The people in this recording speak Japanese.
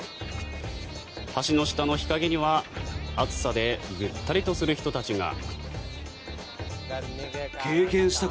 橋の下の日陰には暑さでぐったりとする人たちが。